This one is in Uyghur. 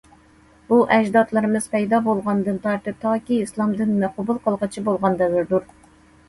بۇ ئەجدادلىرىمىز پەيدا بولغاندىن تارتىپ تاكى ئىسلام دىنىنى قوبۇل قىلغىچە بولغان دەۋردۇر.